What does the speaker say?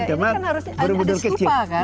ini kan harusnya ada stupa kan